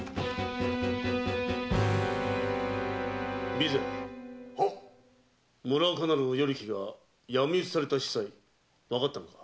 備前村岡なる与力が闇討ちされた子細わかったのか？